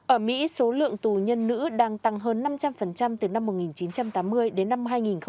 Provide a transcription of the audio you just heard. ở mỹ số lượng tù nhân nữ đang tăng hơn năm trăm linh từ năm một nghìn chín trăm tám mươi đến năm hai nghìn một mươi